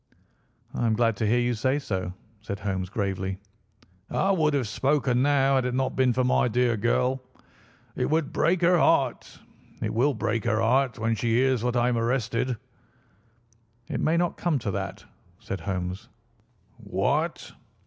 "I am glad to hear you say so," said Holmes gravely. "I would have spoken now had it not been for my dear girl. It would break her heart—it will break her heart when she hears that I am arrested." "It may not come to that," said Holmes. "What?"